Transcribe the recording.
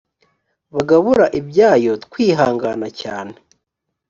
bagabura ibyayo twihangana cyane